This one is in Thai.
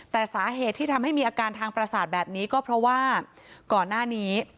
แต่สาเหตุที่ทำให้มีอาการทางประสาทแบบนี้ก็เพราะว่าก่อนหน้านี้